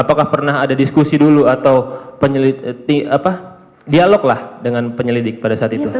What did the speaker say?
apakah pernah ada diskusi dulu atau dialog lah dengan penyelidik pada saat itu